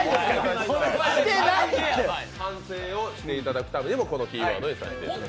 反省をしていただくためにもこのキーワードにさせていただきます。